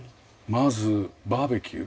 まずバーベキュー。